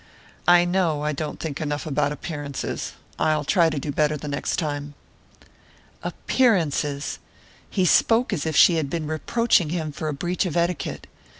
"I know I don't think enough about appearances I'll try to do better the next time." Appearances! He spoke as if she had been reproaching him for a breach of etiquette...